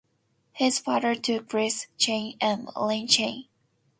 He is father to Chris Chane and Ian Chane.